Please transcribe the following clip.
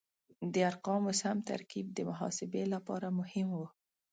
د ارقامو سم ترکیب د محاسبې لپاره مهم و.